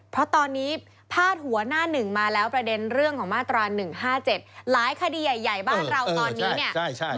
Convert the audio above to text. เพราะตอนนี้พาดหัวหน้าหนึ่งมาแล้วประเด็นเรื่องของมาตรา๑๕๗หลายคดีใหญ่บ้านเราตอนนี้เนี่ย